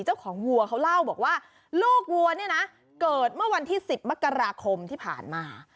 วัวเขาเล่าบอกว่าลูกวัวเนี่ยนะเกิดเมื่อวันที่๑๐มกราคมที่ผ่านมา